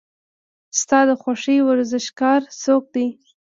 ستا د خوښې ورزشکار څوک دی؟